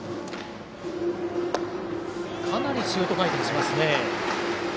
かなりシュート回転しますね。